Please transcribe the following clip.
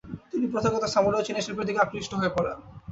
তিনি প্রথাগত সামুরাই ও চীনা শিল্পের দিকে আকৃষ্ট হয়ে পড়েন।